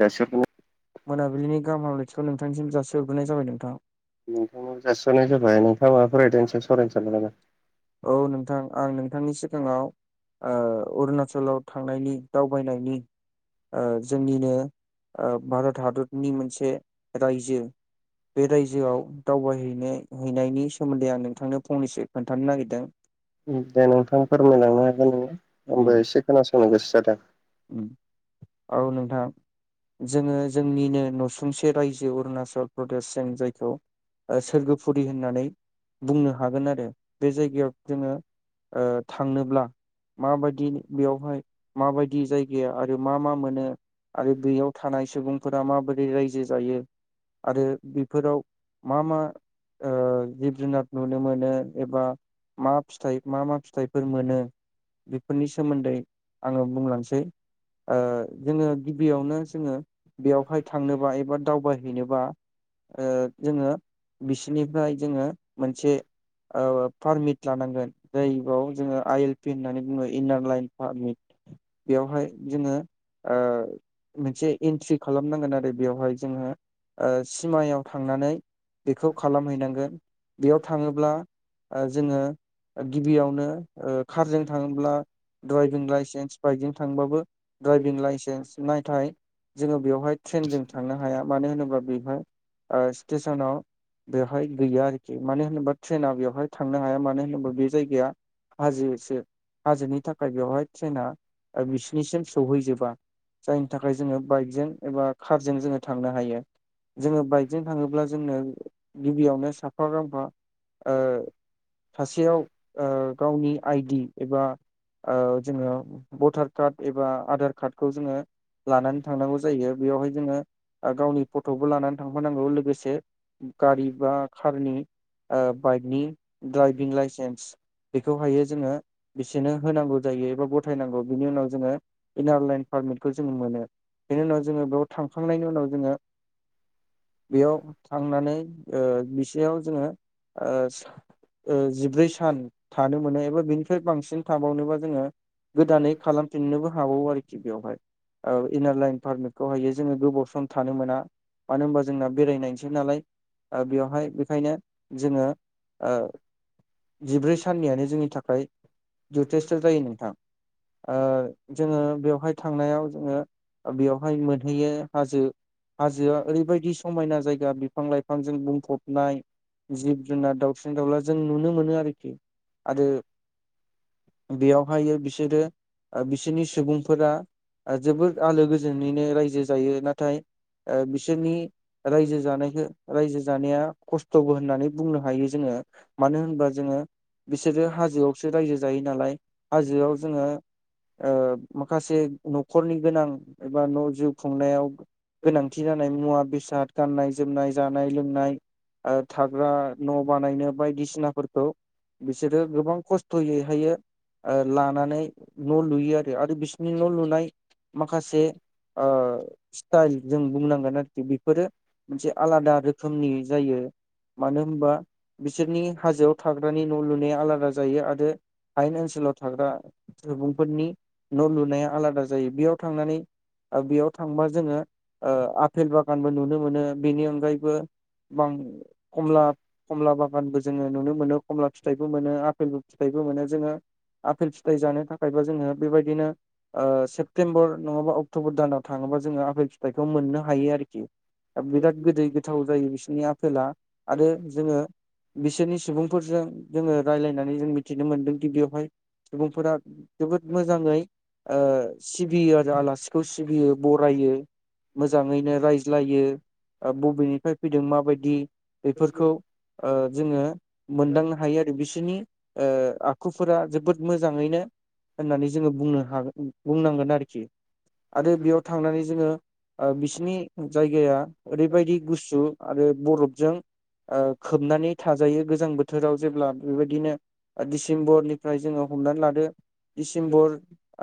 जायसो मोनाबिलिनि गाहाम हामलायथिखौ नोंथांनिसिम जासे हर्रोनाय जाबाय नोंथां। नोंथांनाव जासिस्ररनाय जाबाय नोंथाङा माबा फरायदोंसे सराय सार नामा? औ नोंथां आं नोंथांनि सिगाङाव अरुणाचलाव थांनायनि दावबायनायनि जोंनिनो भारत हादरनि मोनसे रायजो बे रायजोआव दावबायहैनो हैनायनि सोमोन्दै आं नोंथांनो फंनैसो खोन्थानो नागिरदों। दों दे नोंथां फोरमायलांनो हागोन नों उम आंबो एसे खोनासंनो गोसो जादों। औ नोंथां जोङो जोंनिनो नसुंसे रायजो अरुणाचल प्रदेशजों जायखौ सोरगोफुरि होननानै बुंनो हागोन आरो बे जायगायाव जोङो थांनोब्ला माबायदि बेयावहाय माबायदि दि जायगाया आरो मा मा मोनो आरो बयाव थानाय सुबुंफोरा माबोरै रायजो जायो? आरो बेफोराव मा मा जिब जुनार नुनो मोनो एबा मा फिथाइ मा मा फिथाइफोर मोनो बेफोरनि सोमोन्दै आङो बुंलांसै जोङो गिबियावनो जोङो बेयावहाय थांनोबा एबा दावबाय फैनोबा जोङो बिसोरनिफ्राय जोङो मोनसे पारमिट लानांगोन जायबयाव जोङो आइ एल पि होननानै बुङो इनार लाइन पारमिट बेयावहाय जोङो मोनसे एन्ट्रि खालामनांगोन आरो बेवहाय जोङो सिमायाव थांनानै बेखौ खालामहैनांगोन बेयाव थाङोब्ला जोङो गिबियावनो कारजों थाङोब्ला ड्राइभिं लाइसेन्स बाइकजों थांबाबो ड्राइभिं लाइसेन्स। नाथाय जोङो बेवहाय ट्रेनजों थांनो हाया मानो होनोब्ला बेवहाय स्टेसनाव बेवहाय गैया आरोखि मानो होनोबा ट्रेना बेवहाय थांनो हाया मानो होनोबा बे जायगाया हाजोसो हाजोनि थाखाय बेवहाय ट्रेना बिसिनिसिम सौहैजोबा जायनि थाखाय जोङो बाइकजों एबा कारजों जोङो थांनो हायो। जोङो बाइकजों थाङोब्ला जोंनो गिबियावनो साफा गांफा सासेयाव गावनि आइडि एबा जोङो भटार कार्ड एबा आधार कार्डखौ जोङो लानानै थांनांगौ जायो बेयावहाय जोङो। गावनि फट'बो लानानै थांफानांगौ लोगोसे गारि बा कारनि बाइकनि दड्राइभिं लाइसेन्स बेखौहायो जोङो बिसेनो होनांगौ जायो एबा ग नांग बिनि उनाव जोङो इनार लाइन पारमिटखौ जो मोनो बेनि उनाव जो थांखांनायनि उनाव जोङो बेयाव थांनानै बिसेयाव जोङो जिब्रै सान थानो मोनो एबा बिनिफ्राय बांसिन थाबावनोबा जोङो गोदानै खालामफिननोबो हाबावो आरोखि बेवहाय इनार लाइन पारमिटखौहायो जोङो गोबाव सम थानो मोना। मानो होनबा जोंना बेरायनायसै नालाय बेवहाय बेखायनो जोङो जिब्रै साननियानो जोंनि थाखाय जथेस्थ' जायो नोंथां जोङो बेवहाय थांनायाव जोङो। बेवहाय मोनहैयो हाजो हाजोआ ओरैबायदि समायना जायगा बिफां-लाइफां बिफांजों बुंफबनाय जिब जुनार दाउसिन दाउला जों नुनो मोनो आरोखि आरो बेयावहाय बिसोरो बिसोरनि सुबुंफोरा जोबोद आलो गोजोनैनो रायजो जायो। नाथाय बिसोरनि रायजो जानायखौ रायजो जानाया खस्थ'बो होननानै बुंनो हायो जोङो मानो होनबा जोङो बिसोरो हाजोआवसो रायजो जायो नालाय हाजोआव जोङो माखासे न'खरनि गोनां एबा न' जिउ खुंनायाव गोनांथि खथि जानाय मुवा बेसाद गाननाय जोमनाय जानाय-लोंनाय थाग्रा न' बानायनो बायदिसिना बायसिनाफोरखौ बिसोरो गोबां खस्थ'यैहायो लानानै न' लुयो आरो आरो बिसोरनि न' लुनाय माखासे स्टाइल जों बुंनांगोन आरोखि बेफोरो मोनसे आलादा रोखोमनि जायो। मानो होनबा बिसोरनि हाजोआव थाग्रानि न' लुनाया आलादा जायो आरो आयेन ओनसोलाव थाग्रा सुबुंफोरनि न' लुनाया आलादा जायो बेयाव थांनानै बेयाव थांबा जोङो आफेल बागानबो नुनो मोनो। बेनि अनगायैबो बां कमला खमला बागानबो जोङो नुनो मोनो खमला फिथाइबो मोनो आफपेल फिथाइबो मोनो जोङो। आफेल फिथाइ जानो थाखायबो जोङो बेबायदिनो सेप्तेम्बर नङाबा अक्ट'बर दानाव थाङोबा जोङो आफपेल फिथाइखौ मोननो हायो आरोखि बिराद गोदै गोथाव जायो बिसनि आफेला आरो जोङो बिसोरनि सुबुंफोरजों जोङो राय्लायनानै जों मिथिनो मोनदोंदि बेवहाय सुबुंफोरा जोबोद मोजाङै सिबियो आरो आलासिखौ सिबियो बरायो। मोजाङैनो रायज्लायो बबेनिफ्राय फैदों माबायदि बेफोरखौ जोङो मोनदांनो हायो आरो बिसोरनि आखुफोरा जोबोद मोजाङैनो होननानै जोङो बुंनो हागोन। बुंनांगोन आरोखि आरो बेयाव थांनानै जोङो बिसिनि जायगाया। ओरैबायदि गुसु आरो बरफजों ओ खोबनानै थाजायो गोजां बोथोराव जेब्ला बेबायदिनो। डिसेम्बरनिफ्राय जोङो हमनानै लादो डिसेम्बर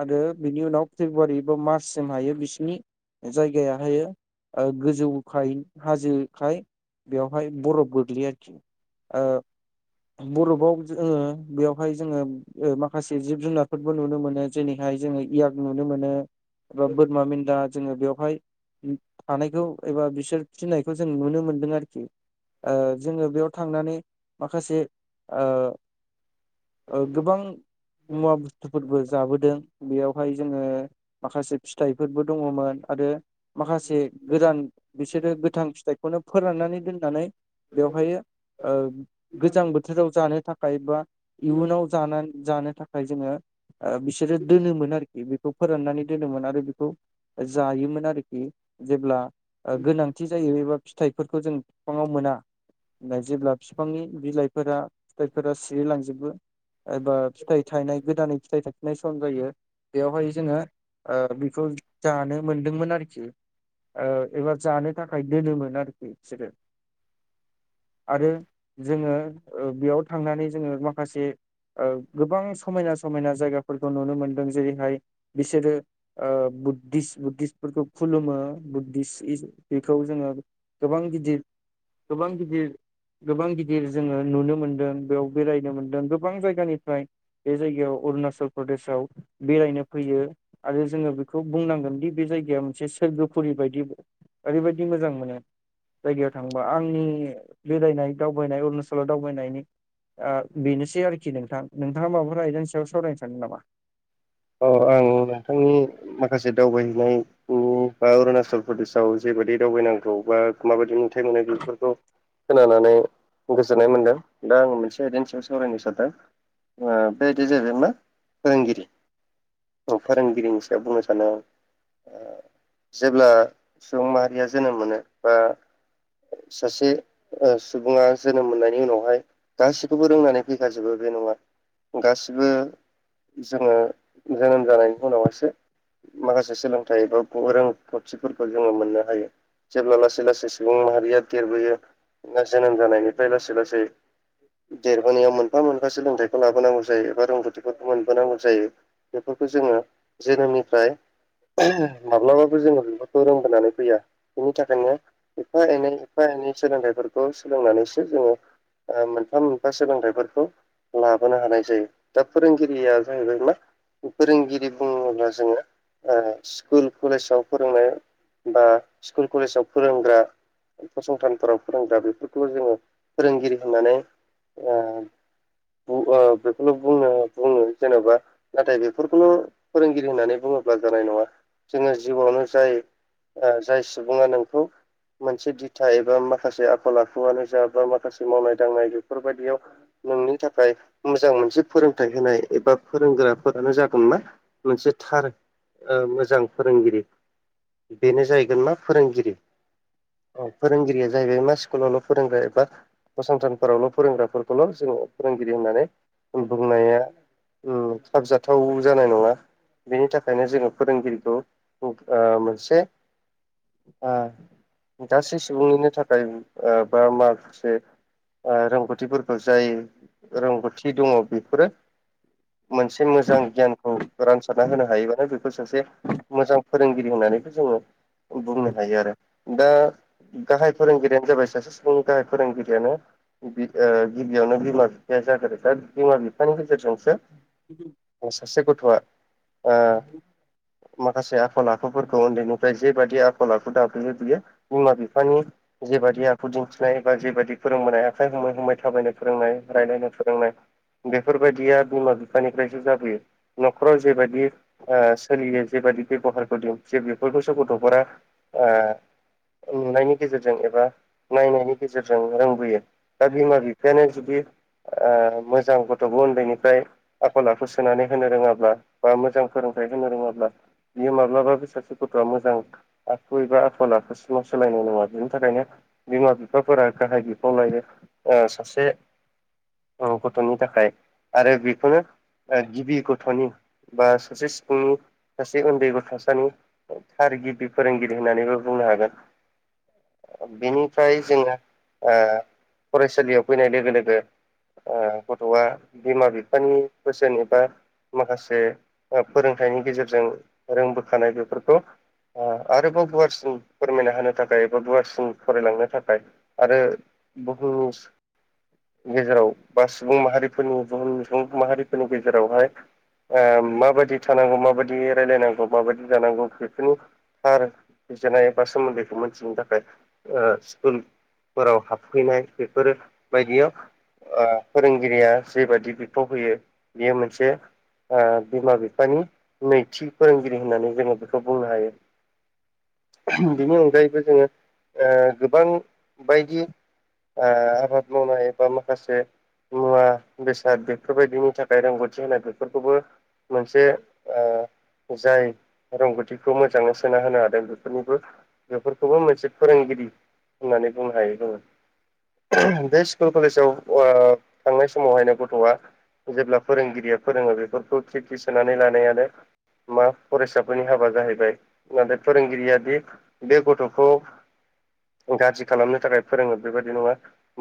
आरो बिनि उनाव फेब्रुवारि बा मार्चसिम हायो बिसिनि जायगायाहायो गोजौखाय हाजोखाय बेवहाय बरफ गोग्लैयो बरफाव जोङो बेयावहाय जोङो मा माखासे जिब जुनारफोरबो नुनो मोनो जेरैहाय जोङो इयाग नुनो मोनो एबा बोरमा मेन्दा जोङो बेवहाय थानायखौ एबा बिसोर फिनायखौ जों नुनो मोनदों आरोखि जोङो बेयाव थांनानै माखासे गोबां मुवा बुस्थुफोरबो जाबोदों बेयाव बेवहाय जोङो माखासे फिथाइफोरबो दङमोन आरो माखासे गोदान बिसोरो गोथां फिथाइखौनो फोराननानै दोननानै बेवहाय गोजां बोथोराव जानो थाखाय बा इयुनाव जानो थाखाय जोङो बिसोरो दोनोमोन आरोखि बे खौ फोराननानै दोनोमोन आरो बेखौ जायोमोन आरोखि जेब्ला गोनां। खाथि जायो एबा फिथाइफोरखौ जों बिफाङाव मोना। जेब्ला बिफांनि बिलाइफोरा फिथाइफोरा सिरिलांजोबो एबा फिथाइ थायनाय गोदानै फिथाइ थाइफिनाय सम जायो बेवहाय जोङो बेखौ जानो मोनदोंमोन आरोखि एबा जानो थाखाय दोनोमोन आरोखि बिसोरो आरो जोङो बेयाव थांनानै जोङो माखासे गोबां समायना समायना जायगाफोरखौ नुनो मोनदों जेरैहाय बिसोरो बुद्धिस बुद्धिस्फोरखौ खुलुमो बुद्धिस बेखौ जोङो गोबां गिदिर गोबां गिदिर गोबां गिदिर जोङो नुनो मोनदों बेयाव बेरायनो मोनदों गोबां जायगानिफ्राय बे जायगायाव अरुणाचल प्रदेशआव बेरायनो फैयो आरो जोङो बेखौ बुंनांगोनदि बे जायगाया मोनसे सोरगोफुरि बायदि ओरैबायाददि मोजां मोनो जायगायाव थांनानै आंनि बेरायनाय दावबायनाय अरुणाचलाव दावबायनायनि बेनोसै आरोखि नोंथां नोंथाङा माबाफोर आयदानि सायाव सावरायनो सानदों नामा अ आं नोंथांनि माखासे दावबायहैनाय बा अरुणनाचल प्रदेशाव जेबायदि दावबायनांगौ बा माबायदि नुथाइ रायलायनायफोरखौ बेफोरखौ खोनानानै गोजोननाय मोनदों दा आङो मोनसे आयदानि सायाव सावरायनो सानदों बे आयदाया जाहैबाय मा फोरोंगिरि औ फोरोंगिरिनि सायाव बुंनो सानदों आं जेब्ला सुबुं माहारिया जोनोम मोनो बा सासे सुबुङा जोनोम मोननायनि उनावहाय गाससिखौबो रोंनानै फैखाजोबो बे नङा गासिबो जोङो जोनोम जानायनि उनाव एसे माखासे सोलोंथाइ एबा रोंगौथिफोरखौ जोङो मोननो हायो जेब्ला लासै लासै सुबुं माहारिया देरबोयो जोनोम जानायनिफ्राय लासै लासै। देरबोनायाव मोनफा मोनफा सोलोंथाइखौ लाबोनांगौ जायो एबा रोंगौथिफोरखौ मोनबोनांगौ जायो। बेफोरखौ जोङो जोनोमनिफ्राय माब्लाबाबो जोङो बेफोरखौ रोंबोनानै फैया बिनि थाखायनो एफा एनै एफा एनै सोलोंथाइफोरखौ सोलोंनानैसो जोङो मोनफा मोनफा सोलोंथायाइफोरखौ। लाबोनो हानाय जायो दा फोरोंगिरिया जाहैबाय मा? फोरोंगिरि बुङोब्ला जोङो स्कुल कलेजाव फोरोंनाय बा स्कुल कलेजाव फोरोंग्रा फसंथानफोराव फोरोंग्रा बेफोरखौ जोङो फोरोंगिरि होननानै। बेखौल' बुंनो बुङो जेनेबा नाथाय बे बेफोरखौनो फोरोंगिरि होननानै बुङोब्ला जानाय नङा जोङो जिउआवनो जाय जाय सुबुङा नोंखौ मोनसे दिथा एबा माखासे आखल आखुआनो जा बा माखासे मावनाय दांनाय बेफोर बायाददियाव नोंनि थाखाय मोजां मोनसे फोरोंथाइ होनाय एबा फोरोंग्राफोरानो जाबाय खनना मोनसे थार मोजां फोरोंगिरि बेनो जाहैगोन मा फोरोंगिरि। औ फोरोंगिरिया जाहैबाय मा स्कुलावल' फोरोंग्रा एबा फसंथानफोरावल' फोरोंग्राफोरखौल' जोङो फोरोंगिरि होननानै बुंनाया। उम थाब जाथ' गोथाव जानाय नङा बेनि थाखायनो जोङो फोरोंगिरिखौ मोनसे गासै सुबुंनिनो थाखाय बा माखासे मा रोंगौथिफोरखौ जाय रोंगौथि दङ बेफोरो मोनसे मोजां गियानखौ रानसारना होनो हायोबानो बे खौ सासे मोजां फोरोंगिरि होननानैबो जोङो बुंनो हायो आरो दा गाहाय फोरोंगिरियानो जाबाय सासे सुबुंनि गाहाय फोरोंगिरियानो गिबियावनो बिमा बिफाया जागारो दा बिमा बिफानि गेजेरजोंसो। बि सासे गथ'आ माखासे आखल आखुफोरखौ उन्दैनिफ्राय जेबादि आखल आखु दाफैयो बियो बिमा-बिफानि जेबायादि आखु दिन्थिनाय बा जेबायाददि फोरोंबोनाय आखाइ है है थाबायनो फोरोंनाय रायलायनो फोरोंनाय बेफोरबायदिया बिमा बिफानिफ्रायसो जाबोयो न'खराव जेबायदि। सोलियो जेबायाददि बेब'हारबोदोंं जे बेफोरखौसो गथ'फोरा नुनायनि गेजेरजों एबा नायनायनि गेजेरजों रोंबोयो। दा बिमा बिफायानो जुदि मोजां गथ'बो उन्दैनिफ्राय आखल आखु सो सोनानै होनो रोङाब्ला बा मोजां फोरोंथाइ होनो रोङाब्ला बियो माब्लाबाबो सासे गथ'आ मोजां आखु एबा आखल आखासिमाव सोलायनाय नङा बिनि थाखायनो। बिमा बिफाफोरा गाहाय बिफाव लायो सासे औ गथ'नि थाखाय आरो बेखौनो ओ गिबि गथ'नि बा सासे सिफुंनि सासे उन्दै गथ'सानि सार गिबि फोरोंगिरि होननानैबो बुंनो हागोन। बिनिफ्राय जोङो फरायसालियाव फैनाय लोगो लोगो। गथ'आ बिमा बिफानि बोसोन एबा। माखासे फोरोंथाइनि गेजेरजों रोंबोखानाय बेफोरखौ ओ आरोबाव गुवारसिम फोरमायना होनो थाखाय एबा गुवारसि फरायलांनो थाखाय। आरो बहु गेजेराव बा सुबुं माहारिफोरनि बहुम सुबुं माहारिफोरनि गेजेरावहाय। माबायदि थानांगौ माबायदि रायज्लायनांगौ माबायदि जानांगौ बेफोरनि थार बिजिरनाय एबा सोमोन्दैखौ मिथिनो थाखाय स्कुल फोराव हाबफैनाय बेफोर बायदियाव फोरोंगिरिया जेबादि बिफाव होैयो बेयो मोनसे ओ बिमा बिफानि नैथि फोरोंगिरि होननानै जोङो बेखौ बुंनो हायो बिनि अनगायैबो जोङो गोबां बायदि आबाद मावनाय बा माखासे मुवा बेसाद बेफोरबायदिनि थाखाय रोंगौथि होनाय बेफोरखौबो मोनसे जाय रोंगौथिखौ मोजाङै सोना होनो हादों बेफोरनिबो बेफोरखौबो मोनसे फोरोंगिरि होननानै बुंनो हायो बोङो बे स्कुल कलेजाव थांनाय समावहायनो गथ'आ जेब्ला फोरोंगिरिया फोरोङो बेफोरखौ ख्रि ख्रि सोनानै लानायानो मा फरायसाफोरनि हाबा जाहैबाय नाथाय फोरोंगिरियादि बे गथ'खौ गाज्रि खालामनो थाखाय फोरोङो बेबायादि नङा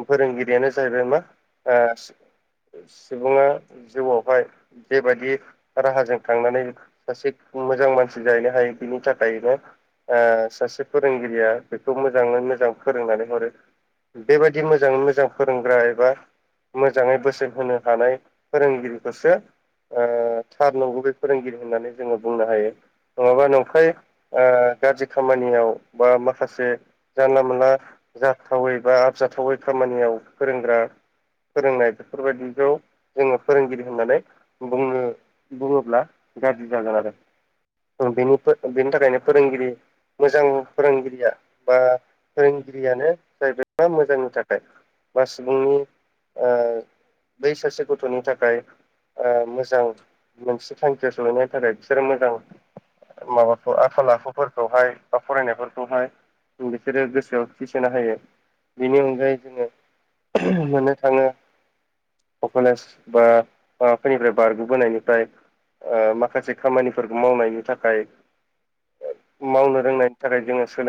फोरोंगिरियानो जाहैबाय मा सुबुङा जिउआवहाय जेबायदि राहाजों थांनानै सासे मोजां मानसि जाहैनो हायो बिनि थाखायनो सासे फोरोंगिरिया बेखौ मोजाङै मोजां फोरोंनानै हरो बेबायदि मोजाङै मोजां फोरोंग्रा एबा मोजाङै बोसोन होनो हानाय फोरोंगिरिखौसो थार नंगुबै फोरोंगिरि होननानै जोङो बुंनो हायो नङाबा नंखाय गाज्रि खामानियाव बा माखासे जानला मोनानला जाथावै बा आबजाथावै खामानियाव फोरोंग्रा फोरोंनाय बेफोरबायदिखौ जोङो फोरोंगिरि होननानै बुंनो बुङोब्ला गाज्रि जागोन आरो बेनि बेनि थाखायनो फोरोंगिरि मोजां फोरोंगिरिया बा फोरोंगिरियानो जाया मोजांनि थाखाय बा सुबुंनि बै सासे गथ'नि थाखाय मोजां मोनसे थांखियाव सोलायनायनि थाखाय बिसोरो मोजां माबाखौ आखल आखुफोरखौहाय बा फरायनायफोरखौहाय बिसोरो गोसोआव थिसोनो हायो बेनि अनगायै जोङो मोननो थाङो कलेज माबाफोरनिफ्राय बारगबोनायनिफ्राय माखासे खामानिफोरखौ मावनायनि थाखाय मावनो रोंनायनि थाखाय जोङो सोलों